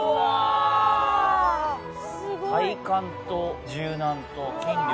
体幹と柔軟と筋力。